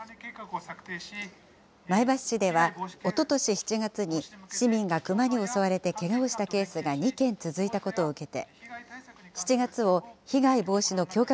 前橋市では、おととし７月に市民がクマに襲われてけがをしたケースが２件続いたことを受けて、７月を被害防止の強化